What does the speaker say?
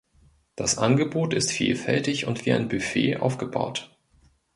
Das Angebot ist vielfältig und wie ein Buffet aufgebaut.